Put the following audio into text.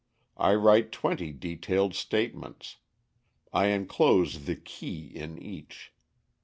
I write twenty detailed statements; I enclose the key in each.